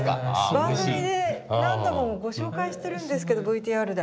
番組で何度もご紹介してるんですけどＶＴＲで。